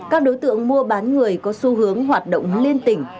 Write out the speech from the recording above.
các đối tượng mua bán người có xu hướng hoạt động liên tỉnh